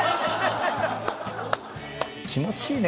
気持ちいいね